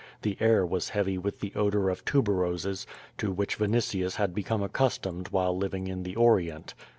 The air was heavy with the odor of tuberoses, to which Vinitius had become accustomed while living in the Orient.